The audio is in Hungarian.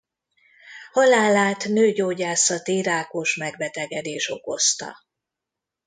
Halálát nőgyógyászati rákos megbetegedés okozta.